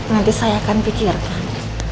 nanti saya akan pikirkan